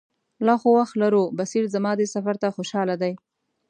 لا خو وخت لرو، بصیر زما دې سفر ته خوشاله دی.